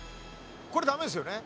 これダメですよね」